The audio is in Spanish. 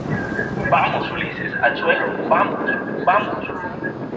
¡ vamos! Ulises, al suelo , vamos. ¡ vamos !